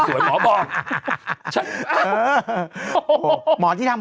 เบลล่าเบลล่า